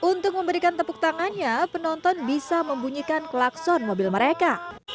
untuk memberikan tepuk tangannya penonton bisa membunyikan klakson mobil mereka